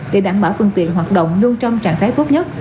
để đảm bảo phương tiện hoạt động luôn trong trạng thái tốt nhất